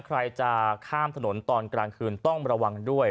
ใครจะข้ามถนนตอนกลางคืนต้องระวังด้วย